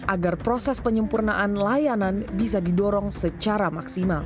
agar proses penyempurnaan layanan bisa didorong secara maksimal